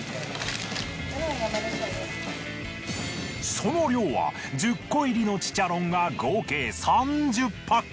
その量は１０個入りのチチャロンが合計３０パック！